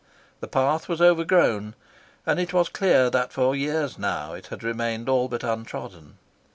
The path was overgrown, and it was clear that for years now it had remained all but untrodden.